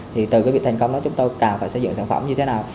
thì từ cái việc thành công đó chúng tôi càng phải xây dựng sản phẩm như thế nào